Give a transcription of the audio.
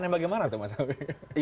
iya biar bank barat nanti